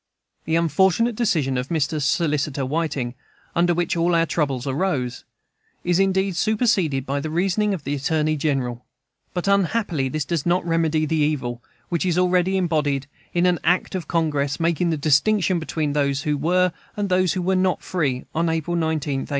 The unfortunate decision of Mr. Solicitor Whiting, under which all our troubles arose, is indeed superseded by the reasoning of the Attorney General. But unhappily that does not remedy the evil, which is already embodied in an Act of Congress, making the distinction between those who were and those who were not free on April 19, 1861.